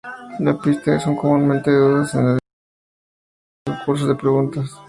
Las pista son comúnmente dadas en adivinanzas, y en algunos concursos de preguntas.